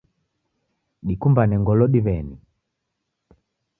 Dikumbane ngolo diweni